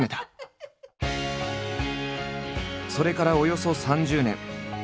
それからおよそ３０年。